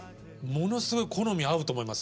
ものすごい好み合うと思います。